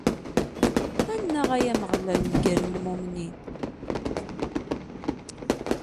Annaɣ! a Ameɣlal, negren lmumnin!